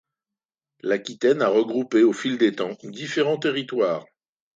L'Aquitaine a regroupé au fil des temps différents territoires.